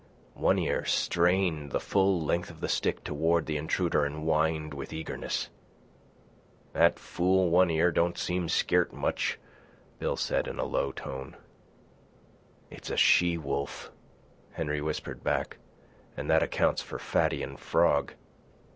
One Ear strained the full length of the stick toward the intruder and whined with eagerness. "That fool One Ear don't seem scairt much," Bill said in a low tone. "It's a she wolf," Henry whispered back, "an' that accounts for Fatty an' Frog.